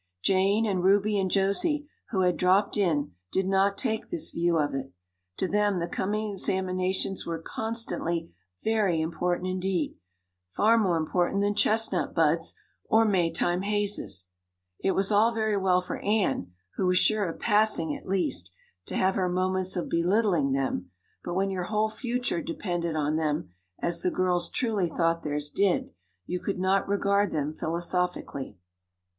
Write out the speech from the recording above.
Jane and Ruby and Josie, who had dropped in, did not take this view of it. To them the coming examinations were constantly very important indeed far more important than chestnut buds or Maytime hazes. It was all very well for Anne, who was sure of passing at least, to have her moments of belittling them, but when your whole future depended on them as the girls truly thought theirs did you could not regard them philosophically.